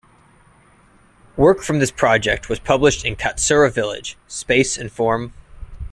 Work from this project was published in "Katsura Villa: Space and Form".